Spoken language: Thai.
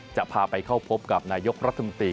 จะพาไปเข้าพบกับนายกรัฐมนตรี